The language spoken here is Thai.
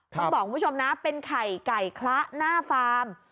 ต้องบอกคุณผู้ชมนะเป็นไข่ไก่คละหน้าฟาร์ม